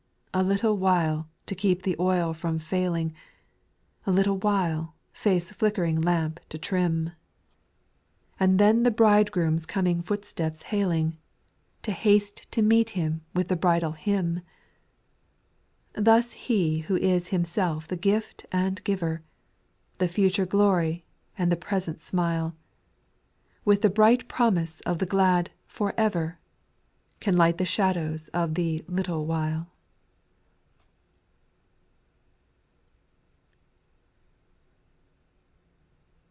6. '* A little while " to keep the oil from failing, " A little while " faith's flickering lamp to trim ;\ 840 SPIRITUAL SONGS. And then the Bridegroom's coming footsteps hailing, To haste to meet Him with the bridal hymn. 7. Thus He who is Himself the gift and giver, The future glory, and the present smile, With the bright promise of the glad " for ever," Can light the shadows of the " little while."